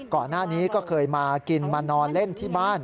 ก่อนหน้านี้ก็เคยมากินมานอนเล่นที่บ้าน